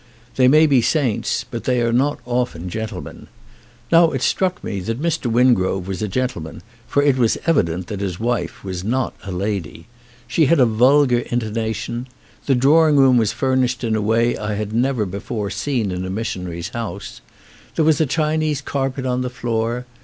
They may be saints but they are not often gen tlemen. Now it struck me that Mr. Wingrove was a gentleman, for it was evident that his wife was not a lady. She had a vulgar intonation. The drawing room was furnished in a way I had never before seen in a missionary's house. There was a Chinese carpet on the floor.